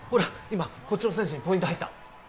今こっちの選手にポイント入った！